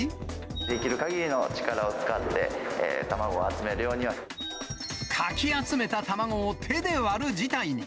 できるかぎりの力を使って、かき集めた卵を手で割る事態に。